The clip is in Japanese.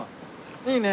いいね。